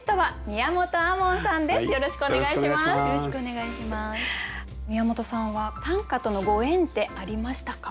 宮本さんは短歌とのご縁ってありましたか？